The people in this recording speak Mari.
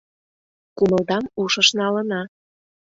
Кумылдам ушыш налына.